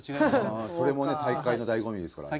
あそれもね大会の醍醐味ですからね。